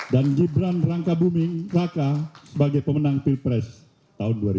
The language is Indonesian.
dan gibran rangka buming raka sebagai pemenang pilpres tahun dua ribu dua puluh empat